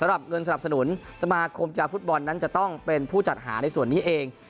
สำหรับเงินสนับสนุนสมาคมกีฬาฟุตบอลนั้นจะต้องเป็นผู้จัดหาในส่วนนี้เอง